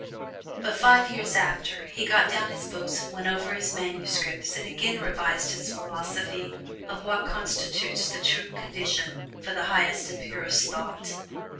But five years after, he got down his books and went over his manuscripts and again revised his philosophy of what constitutes the true condition for the highest and purest thought.